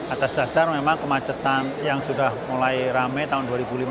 atas dasar memang kemacetan yang sudah mulai rame tahun dua ribu lima belas